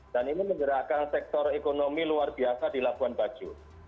dan ini mengerakkan sektor ekonomi luar biasa di labuan baju